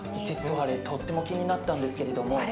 実はあれとっても気になったんですけれども。